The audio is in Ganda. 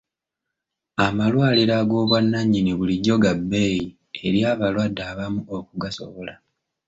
Amalwaliro ag'obwannannyini bulijjo ga bbeeyi eri abalwadde abamu okugasobola.